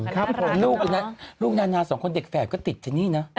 ครับผมลูกนานาสองคนเด็กแฝดก็ติดที่นี่นะ